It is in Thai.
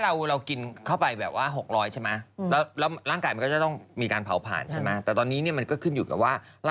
ข้าวไข่เจียว๖๐๐คาโรลี่เข้าไปแล้ว